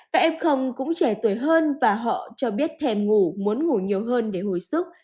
các f cũng trẻ tuổi hơn và họ cho biết thèm ngủ muốn ngủ nhiều hơn để hồi sức